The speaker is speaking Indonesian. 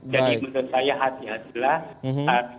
jadi menurut saya hati hatilah